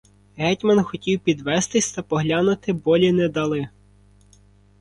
Гетьман хотів підвестись та поглянути, болі не дали.